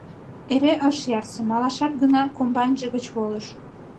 Эре ыш ярсе, малашак гына комбайнже гыч волыш.